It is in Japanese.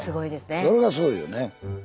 それがすごいよね。